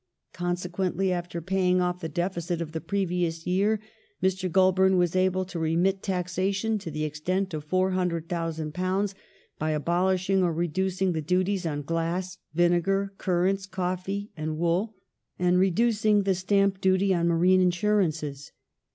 Consequently, after paying off the deficit of the previous year, Mr. Goulburn was able to remit taxation to the extent of £400,000 by abolishing or reducing the duties on glass, vinegar, currants, coffee, and wool, and reduc ing the stamp duty on marine insurances.